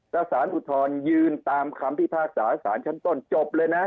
แล้วสารอุทธรณ์ยืนตามคำพิพากษาสารชั้นต้นจบเลยนะ